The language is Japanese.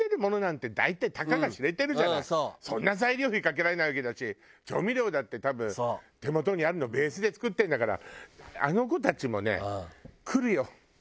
だからそんな材料費かけられないわけだし調味料だって多分手元にあるのをベースで作ってるんだから。